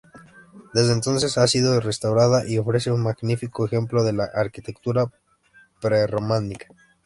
Desde entonces ha sido restaurada y ofrece un magnífico ejemplo de la arquitectura prerrománica.